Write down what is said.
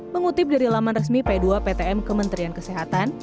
mengutip dari laman resmi p dua ptm kementerian kesehatan